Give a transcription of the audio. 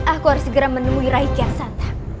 aku harus segera menemui rahikat santak